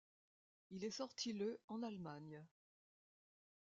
Il est sorti le en Allemagne.